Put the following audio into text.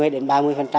hai mươi đến ba mươi